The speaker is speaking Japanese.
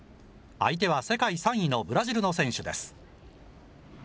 相手は世界３位のブラジルの選手です。